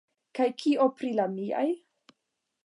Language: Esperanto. Kaj kio pri la miaj?